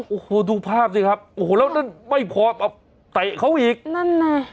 โอ้โหดูภาพสิครับโอ้โหแล้วนั่นไม่พอเอาเตะเขาอีกนั่นน่ะ